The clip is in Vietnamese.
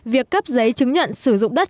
việc cấp giấy chứng nhận sử dụng đất